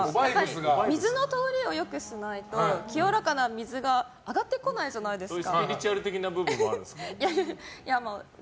水の通りを良くしないと清らかな水が上がってこないじゃないですか。